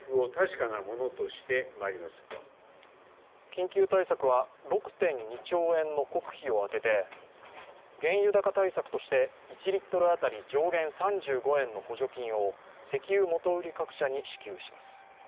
緊急対策は６．２兆円の国費を充てて原油高対策として１リットル当たり上限３５円の補助金を石油元売り各社に支給します。